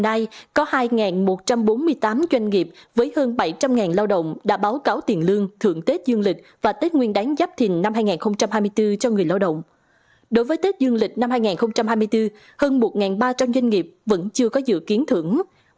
đối với tết dương lịch năm hai nghìn hai mươi bốn hơn một ba trăm linh doanh nghiệp vẫn chưa có dự kiến thưởng